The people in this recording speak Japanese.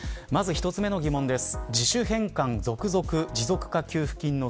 まず１つ目の疑問です。